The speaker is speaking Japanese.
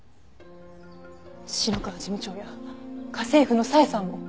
篠川事務長や家政婦の佐恵さんも。